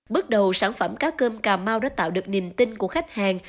bước đầu sản phẩm cá cơm cà mau đã tạo được niềm tin của khách hàng